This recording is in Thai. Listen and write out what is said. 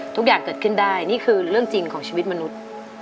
ทุกอย่างเกิดขึ้นได้นี่คือเรื่องจริงของชีวิตมนุษย์